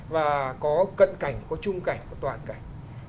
và có cận cảnh có chung cảnh có toàn cảnh